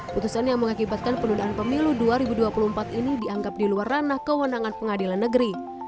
putusan yang mengakibatkan penundaan pemilu dua ribu dua puluh empat ini dianggap di luar ranah kewenangan pengadilan negeri